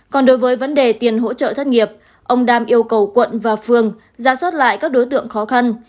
còn đối với vấn đề tiền hỗ trợ thất nghiệp ông đam yêu cầu quận và phường ra soát lại các đối tượng khó khăn